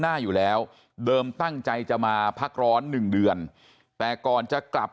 หน้าอยู่แล้วเดิมตั้งใจจะมาพักร้อน๑เดือนแต่ก่อนจะกลับ